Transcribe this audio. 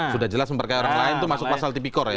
sudah jelas memperkaya orang lain itu masuk pasal tipikor ya